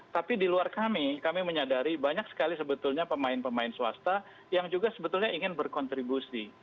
tapi di luar kami kami menyadari banyak sekali sebetulnya pemain pemain swasta yang juga sebetulnya ingin berkontribusi